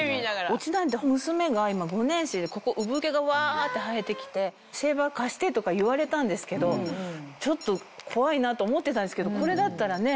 うちなんて娘が今５年生でここ産毛がワって生えて来てシェーバー貸してとか言われたんですけどちょっと怖いなと思ってたんですけどこれだったらね。